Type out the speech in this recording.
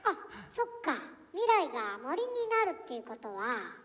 そっか！